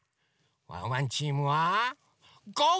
ワンワンチームは「ゴー！